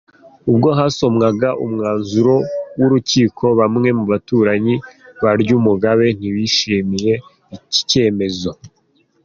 Ubwo hasomwaga umwanzuro w’urukiko bamwe mu baturanyi ba Ryumugabe ntibishimiye iki cyemezo.